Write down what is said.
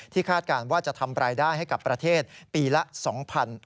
คาดการณ์ว่าจะทำรายได้ให้กับประเทศปีละ๒๐๐บาท